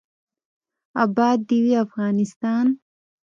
اباد دې وي افغانستان.